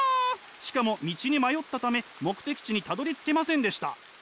しかも道に迷ったため目的地にたどりつけませんでした。